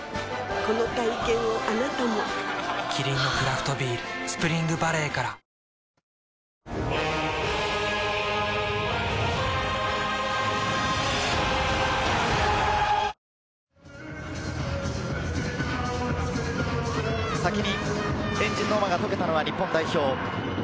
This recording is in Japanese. この体験をあなたもキリンのクラフトビール「スプリングバレー」から先に円陣の輪が解けたのは日本代表。